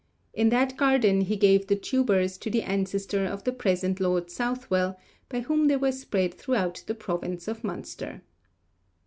In that garden he gave the tubers to the ancestor of the present Lord Southwell, by whom they were spread throughout the province of Munster.